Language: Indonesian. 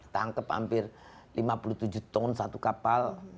tangkep hampir lima puluh tujuh ton satu kapal